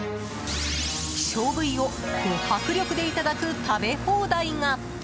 希少部位をド迫力でいただく食べ放題が。